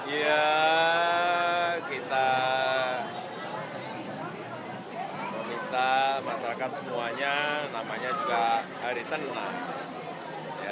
ya kita meminta masyarakat semuanya namanya juga hari tenang